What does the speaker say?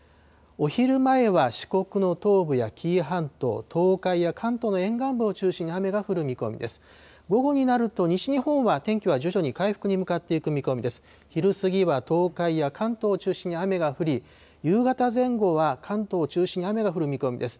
お昼前は四国の東部や紀伊半島、東海や関東の沿岸部を中心に雨が降る見込みです。